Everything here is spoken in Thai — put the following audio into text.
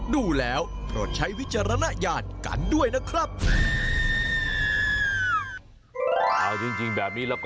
ดูแล้วโปรดใช้วิจารณญาณกันด้วยนะครับ